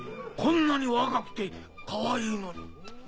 こんなに若くてかわいいのに。